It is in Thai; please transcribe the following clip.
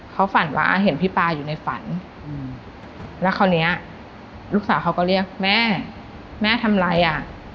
เขาฝันว่าเห็นพี่ปลาอยู่ในฝันแล้วคราวนี้ลูกสาวเขาก็เรียกแม่แม่ทำอะไรอ่ะ